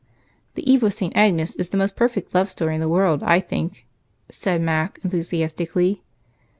"'The Eve of St. Agnes' is the most perfect love story in the world, I think," said Mac, enthusiastically.